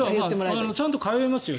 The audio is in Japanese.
ちゃんと通いますよ。